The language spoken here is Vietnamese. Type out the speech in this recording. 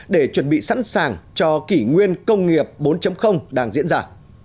để chuẩn bị sẵn sàng cho kỷ nguyên công nghiệp bốn đang diễn ra